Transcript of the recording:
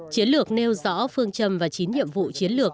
chiến lược nêu rõ phương châm và chín nhiệm vụ chiến lược